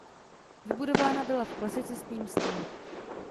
Vybudována byla v klasicistním stylu.